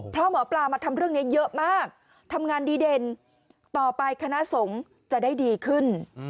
เพราะหมอปลามาทำเรื่องนี้เยอะมากทำงานดีเด่นต่อไปคณะสงฆ์จะได้ดีขึ้น